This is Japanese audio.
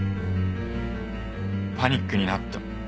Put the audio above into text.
パニックになった。